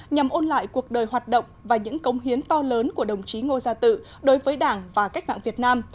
nhằm ôn lại cuộc đời hoạt động và những cống hiến to lớn của đồng chí ngô gia tự đối với đảng và cách mạng việt nam